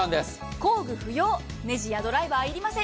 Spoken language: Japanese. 工具不要ねじやドライバーはいりません。